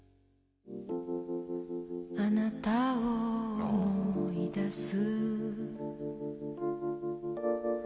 「あなたを思い出す」